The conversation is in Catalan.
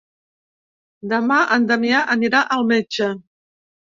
Demà en Damià anirà al metge.